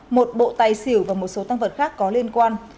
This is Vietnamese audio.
một bộ tài xỉu và một số tăng vật khác có liên quan